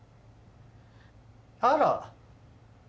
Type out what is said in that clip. あら？